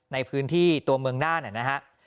ในพื้นที่ตัวเมืองน่านนะฮะ